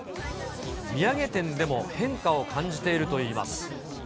土産店でも変化を感じているといいます。